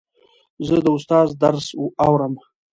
زه د استاد درس اورم.